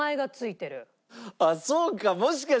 あっそうか。